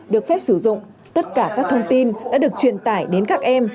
được phép sử dụng tất cả các thông tin đã được truyền tải đến các em